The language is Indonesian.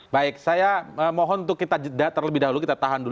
baik saya mohon untuk kita jeda terlebih dahulu kita tahan dulu